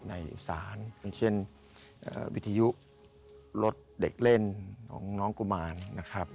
ในศาลอย่างเช่นวิทยุรถเด็กเล่นของน้องกุมารนะครับ